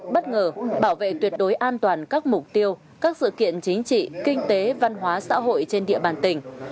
bất ngờ bảo vệ tuyệt đối an toàn các mục tiêu các sự kiện chính trị kinh tế văn hóa xã hội trên địa bàn tỉnh